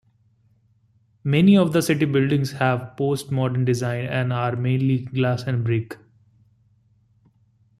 Many of the city buildings have post-modern design and are mainly glass and brick.